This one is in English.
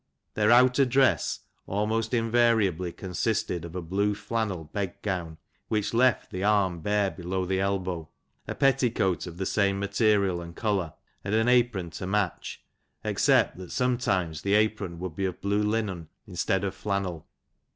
Their outer dress almost invariably consisted of a blue flannel bed gown, which left the arm bare below the elbow ; a petticoat of the same material and colour, and an apron to match, except that sometimes the apron would be of blue linen instead of flannel.